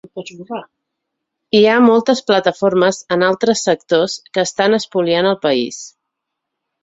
Hi ha moltes plataformes en altres sectors que estan espoliant el país.